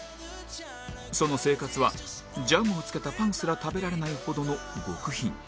その生活はジャムをつけたパンすら食べられないほどの極貧